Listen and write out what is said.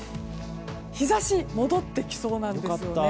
日差し、戻ってきそうなんです。